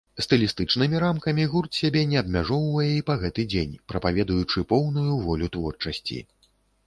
Стылістычнымі рамкамі гурт сябе не абмяжоўвае і па гэты дзень, прапаведуючы поўную волю творчасці.